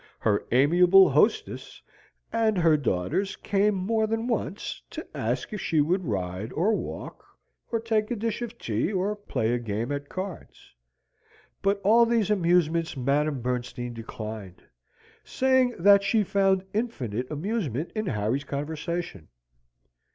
Her amiable hostess and her daughters came more than once, to ask if she would ride, or walk, or take a dish of tea, or play a game at cards; but all these amusements Madam Bernstein declined, saying that she found infinite amusement in Harry's conversation.